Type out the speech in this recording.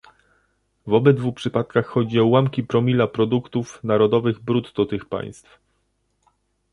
W obydwu przypadkach chodzi o ułamki promila produktów narodowych brutto tych państw